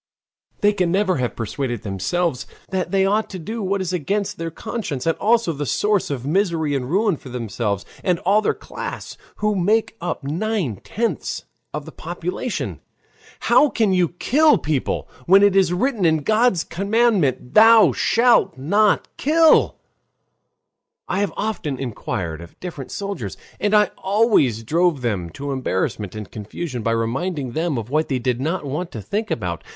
They can never have persuaded themselves that they ought to do what is against their conscience, and also the source of misery and ruin for themselves, and all their class, who make up nine tenths of the population. "How can you kill people, when it is written in God's commandment: 'Thou shalt not kill'?" I have often inquired of different soldiers. And I always drove them to embarrassment and confusion by reminding them of what they did not want to think about.